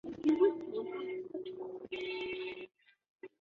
故更可能是曹魏方面隐去了曹操在此地区战败的记录。